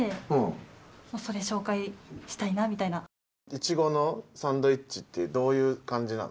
イチゴのサンドイッチってどういう感じなの？